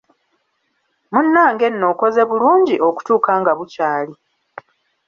Munnange nno okoze bulungi okutuuka nga bukyali.